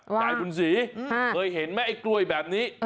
ยายบุญศรีเคยเห็นไหมไอ้กล้วยแบบนี้